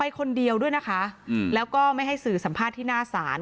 คนเดียวด้วยนะคะแล้วก็ไม่ให้สื่อสัมภาษณ์ที่หน้าศาล